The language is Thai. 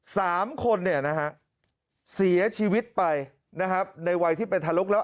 สามคนเสียชีวิตไปในวัยที่เป็นทะลุกแล้ว